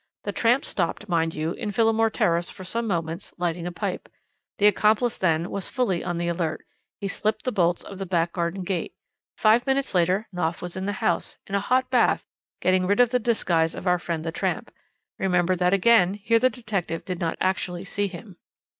The tramp stopped, mind you, in Phillimore Terrace for some moments, lighting a pipe. The accomplice, then, was fully on the alert; he slipped the bolts of the back garden gate. Five minutes later Knopf was in the house, in a hot bath, getting rid of the disguise of our friend the tramp. Remember that again here the detective did not actually see him.